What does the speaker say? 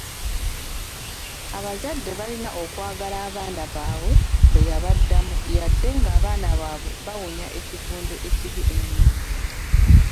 Abazadde balina okwagala abaana baabwe bwe yabaddamu yadde ng'abaana baabwe bawunya ekivundu ekibi ennyo.